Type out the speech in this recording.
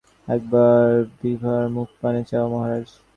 একবার বিভার মুখপানে চাও, মহারাজ।